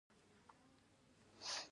د هرات په سنګلان کې د بیرایت کان شته.